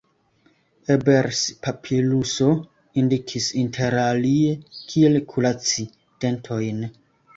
Ebers-papiruso indikis interalie kiel kuraci dentojn.